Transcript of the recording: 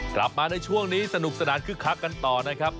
กลับมาในช่วงนี้สนุกสนานคึกคักกันต่อนะครับ